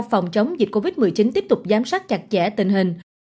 phòng chống dịch covid một mươi chín tiếp tục giám sát chặt chẽ tình hình